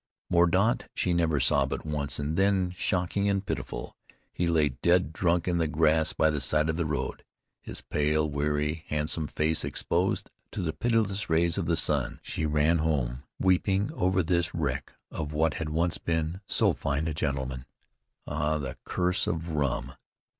Mordaunt she never saw but once and then, shocking and pitiful, he lay dead drunk in the grass by the side of the road, his pale, weary, handsome face exposed to the pitiless rays of the sun. She ran home weeping over this wreck of what had once been so fine a gentleman. Ah! the curse of rum!